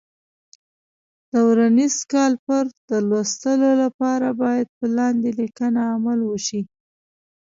د ورنیز کالیپر د لوستلو لپاره باید په لاندې لیکنه عمل وشي.